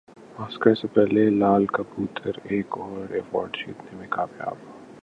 Oscar سے پہلے لال کبوتر ایک اور ایوارڈ جیتنے میں کامیاب